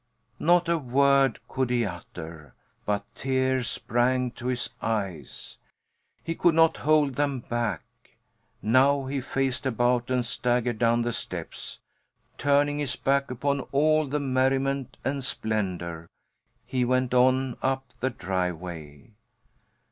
Not a word could he utter, but tears sprang to his eyes; he could not hold them back. Now he faced about and staggered down the steps. Turning his back upon all the merriment and splendour, he went on up the driveway.